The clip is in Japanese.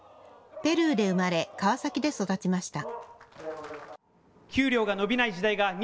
ペルーで生まれ、川崎で育ちました。